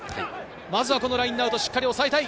まずはこのラインアウト、しっかり、おさえたい。